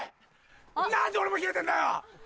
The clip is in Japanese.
何で俺も冷えてるんだよ！